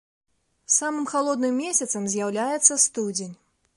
Самым халодным месяцам з'яўляецца студзень.